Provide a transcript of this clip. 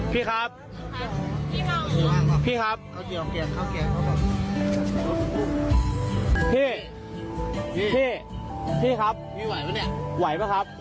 พี่ไหวปะเนี่ยขับหน้าอันตราย